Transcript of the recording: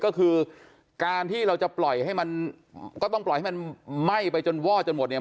ก็คือการที่เราจะปล่อยให้มันก็ต้องปล่อยให้มันไหม้ไปจนวอดจนหมดเนี่ย